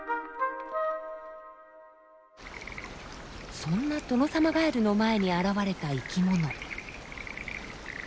そんなトノサマガエルの前に現れた生きもの。